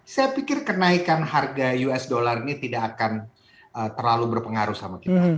saya pikir kenaikan harga usd ini tidak akan terlalu berpengaruh sama kita